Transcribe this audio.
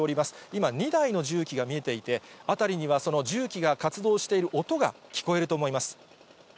今、２台の重機が見えていて、辺りにはその重機が活動している音が聞こえると思います。